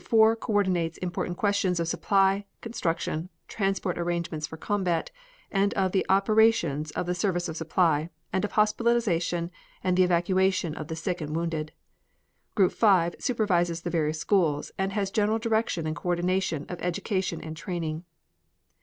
4 coordinates important questions of supply, construction, transport arrangements for combat, and of the operations of the service of supply, and of hospitalization and the evacuation of the sick and wounded; G. 5 supervises the various schools and has general direction and coordination of education and training.